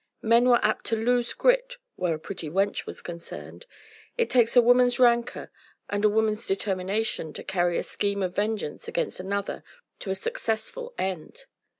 Men were apt to lose grit where a pretty wench was concerned. It takes a woman's rancour and a woman's determination to carry a scheme of vengeance against another to a successful end.